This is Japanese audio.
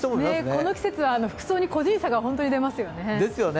この季節は服装に個人差が本当に出ますよね。